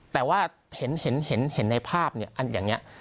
แต่ว่าเห็นในภาพตรงเนี่ย